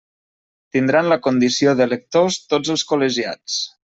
Tindran la condició d'electors tots els col·legiats.